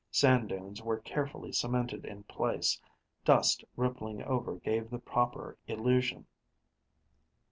Sand dunes were carefully cemented in place; dust rippling over gave the proper illusion.